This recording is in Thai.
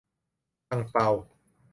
อั่งเปา